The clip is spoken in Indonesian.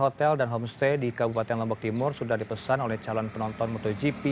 hotel dan homestay di kabupaten lombok timur sudah dipesan oleh calon penonton motogp